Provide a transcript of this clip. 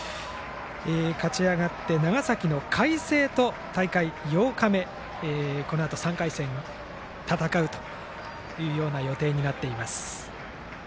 勝ち上がって長崎の海星と大会８日目このあと３回戦で戦う予定になっています。